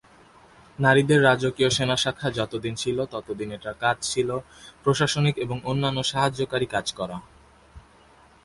নারীদের রাজকীয় সেনা শাখা যতদিন ছিল ততদিন এটার কাজ ছিল প্রশাসনিক এবং অন্যান্য সাহায্যকারী কাজ করা।